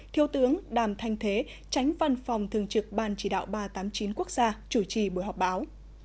thiếu tướng đàm thanh thế tránh văn phòng thường trực ban chỉ đạo ba trăm tám mươi chín quốc gia chủ trì buổi họp báo